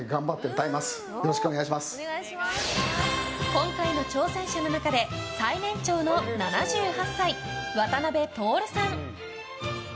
今回の挑戦者の中で最年長の７８歳、渡邉徹さん。